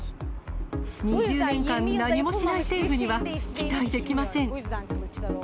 ２０年間、何もしない政府には期待できません。